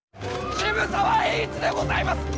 渋沢栄一でございます！